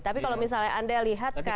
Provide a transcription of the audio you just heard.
tapi kalau misalnya anda lihat sekarang